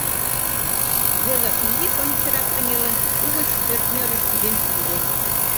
Вӧдыр, изиш ончычрак кынелын, угыч ӧртньӧрыш кӱзен шинче.